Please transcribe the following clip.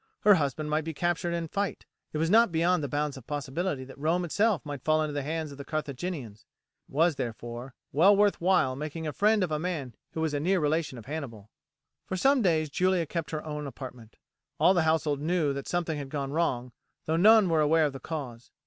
Her husband might be captured in fight it was not beyond the bounds of possibility that Rome itself might fall into the hands of the Carthaginians. It was, therefore, well worth while making a friend of a man who was a near relation of Hannibal. For some days Julia kept her own apartment. All the household knew that something had gone wrong, though none were aware of the cause.